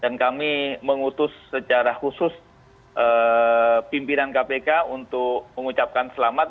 dan kami mengutus secara khusus pimpinan kpk untuk mengucapkan selamat